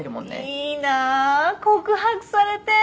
いいなあ告白されてえ